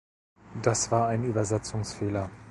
Das war ein Übersetzungsfehler.